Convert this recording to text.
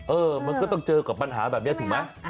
เออมันก็ต้องเจอกับปัญหาแบบนี้ถูกไหม